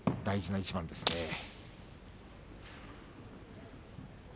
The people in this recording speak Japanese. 大事な一番ですね。